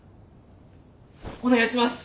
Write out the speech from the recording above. お願いします！